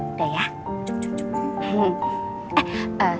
udah ya cukup